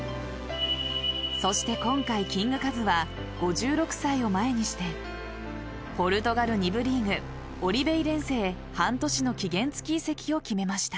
そして今回、キングカズは５６歳を前にしてポルトガル２部リーグオリヴェイレンセへ半年の期限付き移籍を決めました。